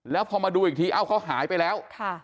แล้วพอมาดูอีกทีเอ้าเขาหายไปแล้ว